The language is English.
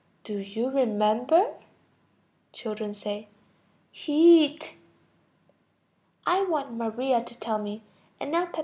Do you remember? Children. Heat. I want Maria to tell me. And now, Peppino.